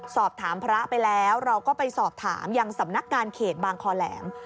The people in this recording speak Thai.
สอบถามพระไปแล้วเราก็ไปสอบถามยังสำนักงานเขตบางคอแหลม